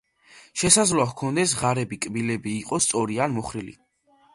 შესაძლოა ჰქონდეთ ღარები, კბილები, იყოს სწორი ან მოხრილი.